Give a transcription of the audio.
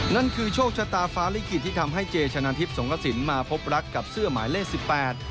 นั่นคือโชคชะตาฟ้าลิขิตที่ทำให้เจชนะทิพย์สงกระสินมาพบรักกับเสื้อหมายเลขสิบแปด